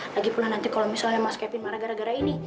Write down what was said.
lagi pula nanti kalau misalnya mas kevin marah gara gara ini